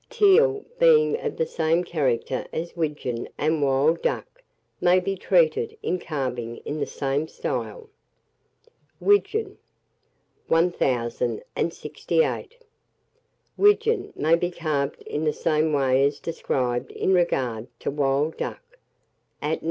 TEAL, being of the same character as Widgeon and Wild Duck, may be treated, in carving, in the same style. WIDGEON. 1068. WIDGEON may be carved in the same way as described in regard to Wild Duck, at No.